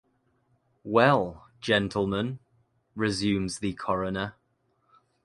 "Well, gentlemen," resumes the coroner.